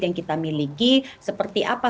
yang kita miliki seperti apa